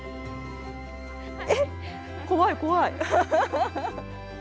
えっ、怖い、怖い。